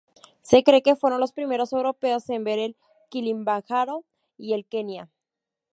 Se cree que fueron los primeros europeos en ver el Kilimanjaro y el Kenia.